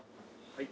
はい。